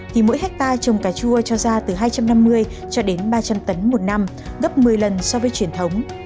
thì mỗi hectare trồng cà chua cho ra từ hai trăm năm mươi cho đến ba trăm linh tấn một năm gấp một mươi lần so với truyền thống